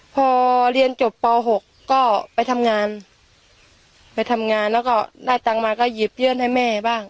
พอเรียนจบป๖ก็ไปทำงานไปทำงานแล้วก็ได้ตังค์มาก็หยิบยื่นให้แม่บ้าง